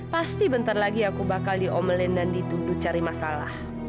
pasti bentar lagi aku bakal diomelin dan dituduh cari masalah